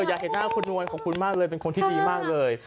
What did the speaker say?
อยากเห็นหน้าคุณนวลของคุณมากเลยเป็นคนที่ดีมากเลย